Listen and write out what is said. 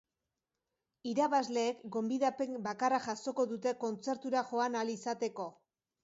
Irabazleek gonbidapen bakarra jasoko dute kontzertura joan ahal izateko.